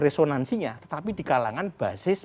resonansinya tetapi di kalangan basis